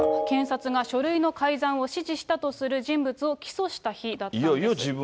検察が書類の改ざんを指示したとする人物を起訴した日だったんです。